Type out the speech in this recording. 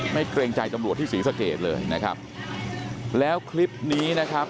เกรงใจตำรวจที่ศรีสะเกดเลยนะครับแล้วคลิปนี้นะครับ